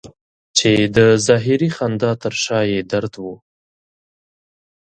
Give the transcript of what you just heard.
چې د ظاهري خندا تر شا یې درد و.